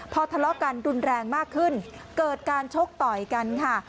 พอทะเลาะกันรุนแรงมากขึ้นเกิดการชกต่อยกันค่ะ